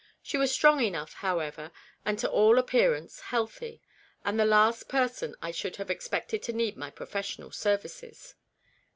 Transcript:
She was strong enough, however, and to all appearance healthy, and the last person I should have expected to need my professional services.